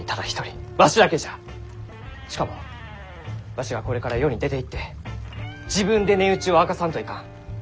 しかもわしがこれから世に出ていって自分で値打ちを明かさんといかん。